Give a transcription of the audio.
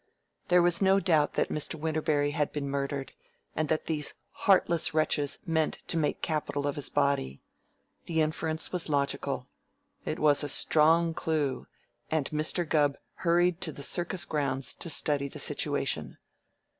There was no doubt that Mr. Winterberry had been murdered, and that these heartless wretches meant to make capital of his body. The inference was logical. It was a strong clue, and Mr. Gubb hurried to the circus grounds to study the situation.